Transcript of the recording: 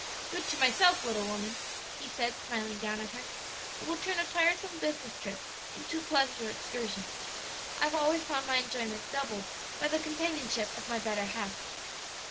"Good to myself, little woman," he said, smiling down at her; "it will turn a tiresome business trip into a pleasure excursion. I have always found my enjoyment doubled by the companionship of my better half."